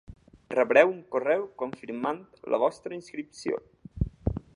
Rebreu un correu confirmant la vostra inscripció.